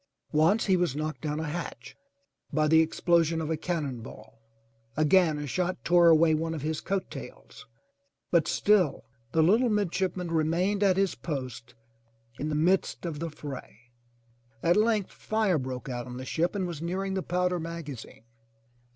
Once he was knocked down a hatch by the explosion of a cannon ball. Again a shot tore away one of his coat tails, but still the little midship man remained at his post in the midst of the fray. At length fire broke out on the ship, and was nearing the powder maga zine.